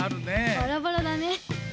バラバラだね。